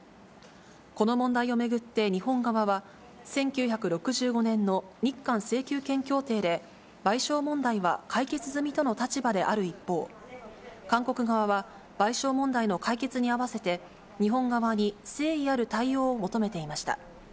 この問題を巡って日本側は、１９６５年の日韓請求権協定で、賠償問題は解決済みとの立場である一方、韓国側は賠償問題の解決にあわせて、日本側に誠意ある対応を求めていました。